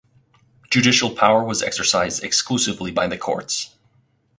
Judicial power was exercised exclusively by the courts.